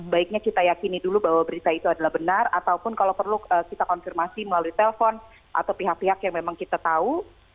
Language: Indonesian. baiknya kita yakini dulu bahwa berita itu adalah benar ataupun kalau perlu kita konfirmasi melalui telepon atau pihak pihak yang memang kita tahu